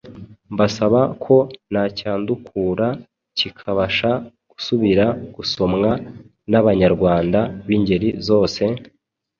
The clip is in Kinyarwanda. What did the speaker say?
mbasaba ko nacyandukura kikabasha gusubira gusomwa n’abanyarwanda b’ingeri zose,